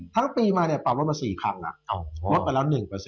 ทั้งปีมาปรับลดมา๔ครั้งละลดไปละ๑